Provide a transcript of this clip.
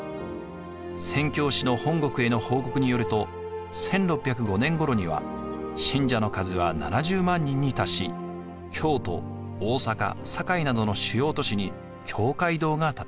宣教師の本国への報告によると１６０５年ごろには信者の数は７０万人に達し京都・大坂・堺などの主要都市に教会堂が建てられました。